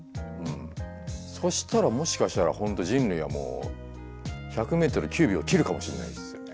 そしたらもしかしたら本当人類はもう１００メートル９秒切るかもしれないですよね。